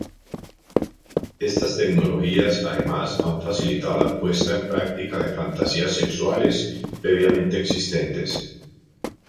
Estas tecnologías además han facilitado la puesta en práctica de fantasías sexuales previamente existentes.